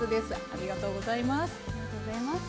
ありがとうございます。